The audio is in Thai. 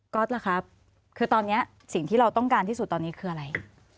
ล่ะครับคือตอนนี้สิ่งที่เราต้องการที่สุดตอนนี้คืออะไร